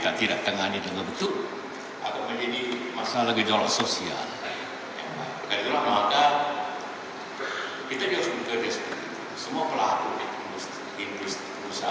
sehingga kita menerolohi dunia kita